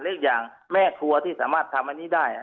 อีกอย่างแม่ครัวที่สามารถทำอันนี้ได้